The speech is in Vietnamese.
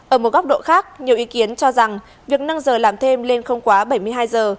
ở một góc độ khác nhiều ý kiến cho rằng việc nâng giờ làm thêm lên không quá bảy mươi hai giờ